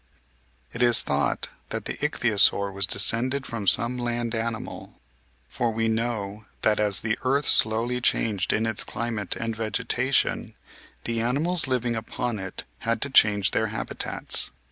It is thought that the Ichthyosaur was descended from some land animal. For we know that as the earth slowly changed in its climate and vegeta tion, the animals living upon it had to change their habits.